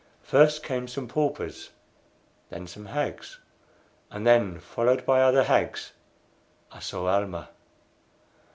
First came some paupers, then some hags, and then, followed by other hags, I saw Almah.